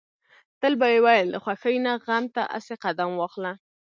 تل به يې ويل د خوښۍ نه غم ته اسې قدم واخله.